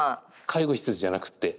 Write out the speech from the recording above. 介護施設じゃなくって？